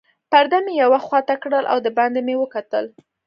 پرده مې یوې خواته کړل او دباندې مې وکتل.